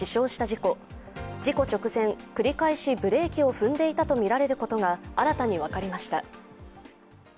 事故直前、繰り返しブレーキを踏んでいたとみられることが新たに分かりました。